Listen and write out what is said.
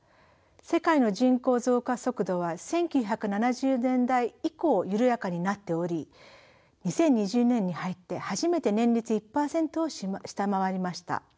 世界の人口増加速度は１９７０年代以降緩やかになっており２０２０年に入って初めて年率１％を下回りました。